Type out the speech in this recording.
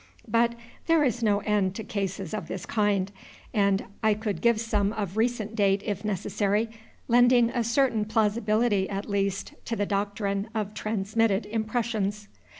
But there is no end to cases of this kind, and I could give some of recent date, if necessary, lending a certain plausibility at least to the doctrine of transmitted impressions.